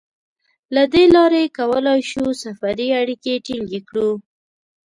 له دې لارې کولای شو سفري اړیکې ټینګې کړو.